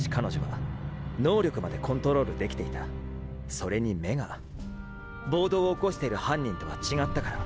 それに目が暴動を起こしている犯人とは違ったから。